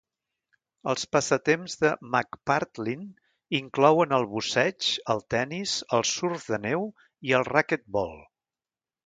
Els passatemps de McPartlin inclouen el busseig, el tennis, el surf de neu i el raquetbol.